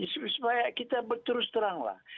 supaya kita berterus teranglah